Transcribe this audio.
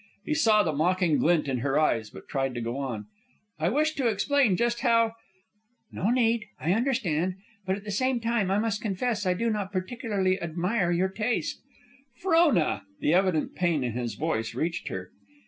He saw the mocking glint in her eyes, but tried to go on. "I wish to explain just how " "No need. I understand. But at the same time I must confess I do not particularly admire your taste " "Frona!" The evident pain in his voice reached her.